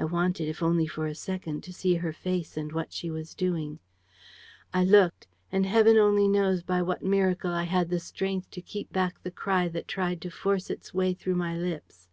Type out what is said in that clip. I wanted, if only for a second, to see her face and what she was doing. "I looked; and Heaven only knows by what miracle I had the strength to keep back the cry that tried to force its way through my lips!